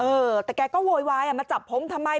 เออแต่แกก็โวยวายมาจับผมทำไม